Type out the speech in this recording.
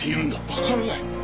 わからない。